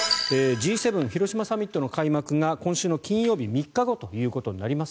Ｇ７広島サミットの開幕が今週の金曜日３日後ということになります。